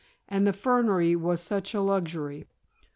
And the fernery was a luxury.